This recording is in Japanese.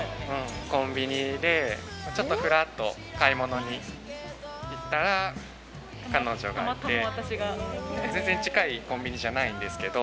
コンビニで、ちょっとふらっと買い物に行ったら、彼女がいて、全然近いコンビニじゃないんですけど。